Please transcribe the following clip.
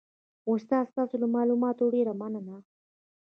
استاده ستاسو له معلوماتو ډیره مننه